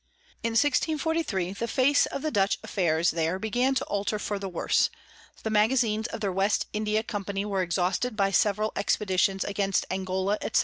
In 1643 the Face of the Dutch Affairs there began to alter for the worse, the Magazines of their West India Company were exhausted by several Expeditions against Angola, &c.